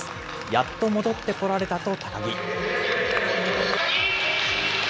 やっと戻ってこられたと高木。